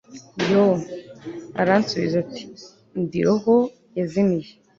Yoo Aransubiza ati Ndi roho yazimiye